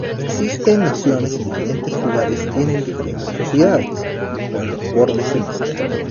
Existen naciones y diferentes lugares tienen diferentes sociedades, pero en los bordes se mezclan.